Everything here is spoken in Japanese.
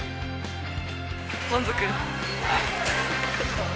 満足？